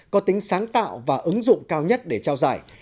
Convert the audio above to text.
có tính sáng tạo và ứng dụng cao nhất để trao giải